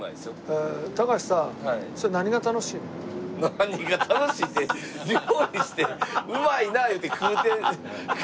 何が楽しいって料理してうまいな言うて食うて食うてんねや。